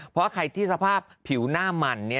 เพราะใครที่สภาพผิวหน้ามัน